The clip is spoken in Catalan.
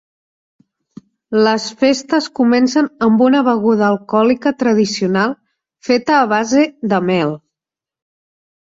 Les festes comencen amb una beguda alcohòlica tradicional feta a base de mel.